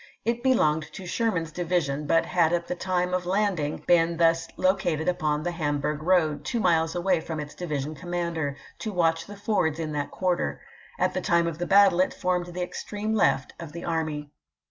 It belonged to Sherman's division, but had at the time of landing been thus located upon the Ham burg road, two miles away from its division com mander, to watch the fords in that quarter ; at the time of the battle it formed the extreme left of the army.